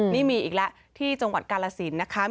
นี่มีอีกแล้วที่จังหวัดกาลสินนะคะ